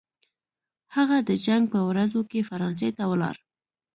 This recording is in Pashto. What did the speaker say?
هغه د جنګ په ورځو کې فرانسې ته ولاړ.